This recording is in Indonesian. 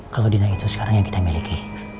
kalau dina itu sekarang yang kita miliki